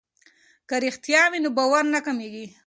که رښتیا وي نو باور نه کمیږي.